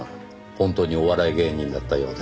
本当にお笑い芸人だったようですよ。